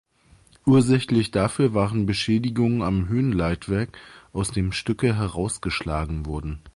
Ursächlich dafür waren Beschädigungen am Höhenleitwerk, aus dem Stücke herausgeschlagen wurden.